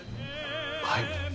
はい。